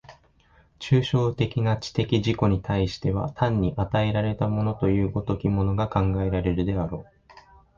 抽象的な知的自己に対しては単に与えられたものという如きものが考えられるであろう。